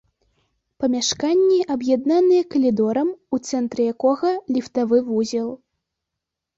Памяшканні аб'яднаныя калідорам, у цэнтры якога ліфтавы вузел.